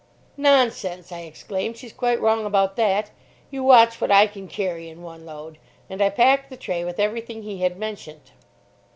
"Nonsense," I exclaimed, "she's quite wrong about that. You watch what I can carry in one load." And I packed the tray with everything he had mentioned.